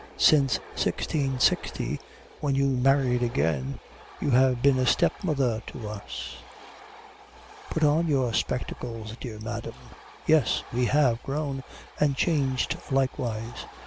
Since 1660, when you married again, you have been a stepmother to us. Put on your spectacles, dear madam. Yes, we have grown, and changed likewise.